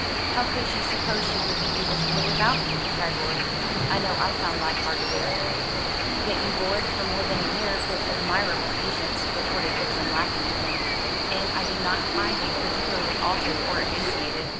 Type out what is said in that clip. "How could she suppose she would be able to live without you!" cried Rorie. "I know I found life hard to bear." "Yet you bore it for more than a year with admirable patience," retorted Vixen, laughing at him; "and I do not find you particularly altered or emaciated."